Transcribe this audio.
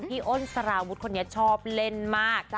พี่โอนสาราวุฒิคนนี้ชอบเล่นมาก